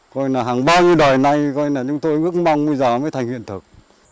coi là hàng bao nhiêu đời nay coi là chúng tôi ước mong bây giờ mới thành hiện thực